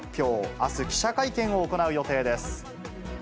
あす、記者会見を行う予定です。